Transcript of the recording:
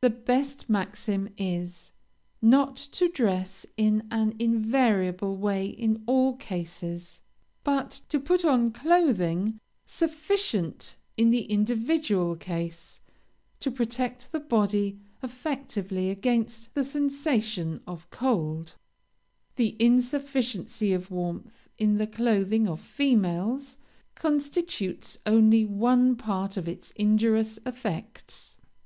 The best maxim is, not to dress in an invariable way in all cases, but to put on clothing sufficient in the individual case, to protect the body effectively against the sensation of cold.[C] [C] Dr. Combe. "The insufficiency of warmth in the clothing of females constitutes only one part of its injurious effects.